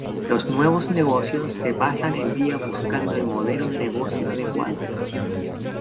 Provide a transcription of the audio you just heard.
Los nuevos negocios se pasan el día buscando el modelo de negocio adecuado.